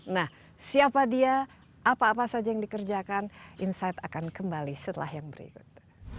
nah siapa dia apa apa saja yang dikerjakan insight akan kembali setelah yang berikut